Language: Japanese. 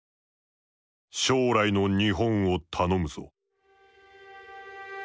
「将来の日本を頼むぞ」。